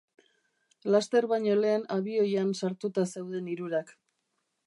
Laster baino lehen abioian sartuta zeuden hirurak.